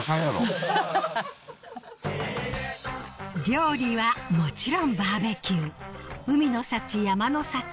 料理はもちろんバーベキュー海の幸山の幸